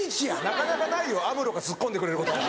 なかなかないよアムロがツッコんでくれること。